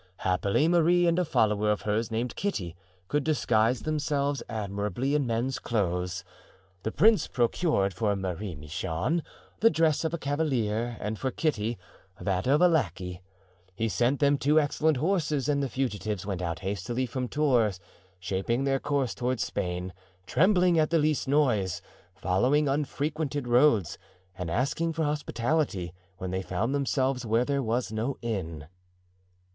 Happily Marie and a follower of hers named Kitty could disguise themselves admirably in men's clothes. The prince procured for Marie Michon the dress of a cavalier and for Kitty that of a lackey; he sent them two excellent horses, and the fugitives went out hastily from Tours, shaping their course toward Spain, trembling at the least noise, following unfrequented roads, and asking for hospitality when they found themselves where there was no inn."